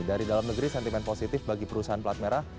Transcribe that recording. dari dalam negeri sentimen positif bagi perusahaan pelat merah